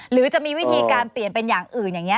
หรือจะมีวิธีการเปลี่ยนเป็นอย่างอื่นอย่างนี้